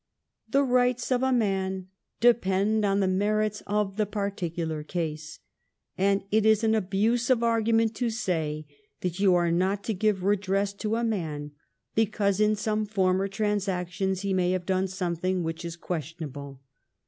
Tli« rights of a man depend on the merits of the particular ease ; 4tfid it is an abuse of argument to say that you are not to giye rediesa to a man because in some former transactions he may have dona something which is questionable.